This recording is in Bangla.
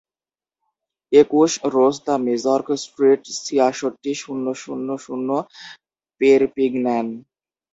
একুশ, রোস দ্য মেজর্ক স্ট্রিট, ছিয়াষট্টি, শূন্য শূন্য শূন্য পেরপিগন্যান।